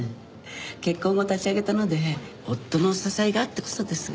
結婚後立ち上げたので夫の支えがあってこそですが。